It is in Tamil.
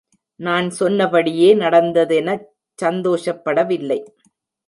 நான் சொன்னபடியே நடந்ததெனச் சந்தோஷப்பட வில்லை.